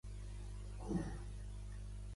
Lloyd, van ser despullats i decapitats.